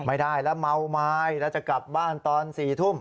ไม่ได้แล้วเมาไม้แล้วจะกลับบ้านตอน๔ทุ่ม